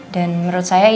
dan menurut saya ini